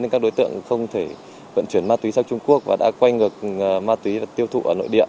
nên các đối tượng không thể vận chuyển ma túy sang trung quốc và đã quay ngược ma túy tiêu thụ ở nội địa